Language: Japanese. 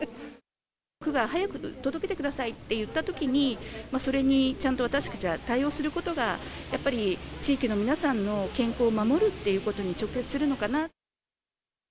区が早く届けてくださいっていったときに、それにちゃんと私たちは対応することがやっぱり、地域の皆さんの健康を守るっていうことに直結するのかな。